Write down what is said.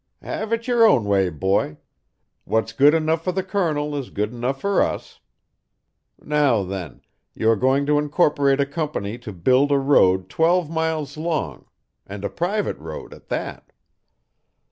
"Have it your own way, boy. What's good enough for the Colonel is good enough for us. Now, then, you are going to incorporate a company to build a road twelve miles long and a private road, at that.